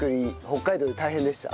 北海道で大変でした？